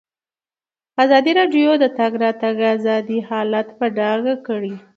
ازادي راډیو د د تګ راتګ ازادي حالت په ډاګه کړی.